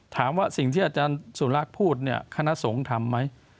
ถามว่าสิ่งที่อาจารย์สุลากพูดคณะสงฆ์ทำไหม